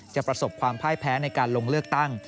ประสบความพ่ายแพ้ในการลงเลือกตั้ง